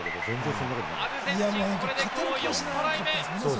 アルゼンチン、これできょう４トライ目！